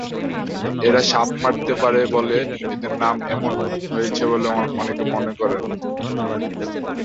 এরা সাপ মারতে পারে বলে এদের এমন নাম হয়েছে বলে অনেকে মনে করেন।